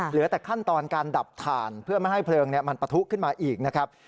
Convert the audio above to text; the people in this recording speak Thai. เหลือแต่ขั้นตอนการดับถ่านเพื่อไม่ให้เพลิงมันปะทุขึ้นมาอีกนะครับ